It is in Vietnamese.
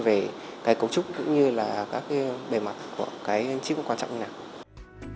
về cái cấu trúc cũng như là các bề mặt của cái chip quan trọng như thế nào